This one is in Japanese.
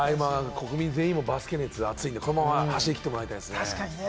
国民全員、バスケ熱、熱いんで、このまま走り切ってもらいたいです。